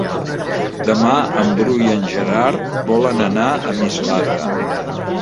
Demà en Bru i en Gerard volen anar a Mislata.